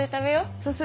そうする？